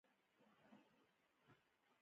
یو کوچنی مثبت فکر په سهار کې کولی شي.